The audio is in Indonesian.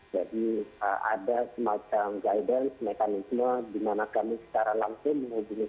jadi ada semacam guidance mekanisme di mana kami secara langsung menghubungi masyarakat